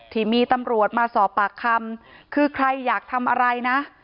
ที่มีตำรวจมาสอบปากคำคือใครอยากทำอะไรนะ